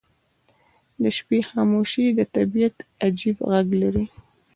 • د شپې خاموشي د طبیعت عجیب غږ لري.